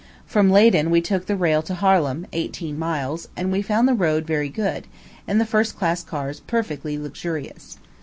From Leyden we took the rail to Harlem, eighteen miles; and we found the road very good, and the first class cars perfectly luxurious.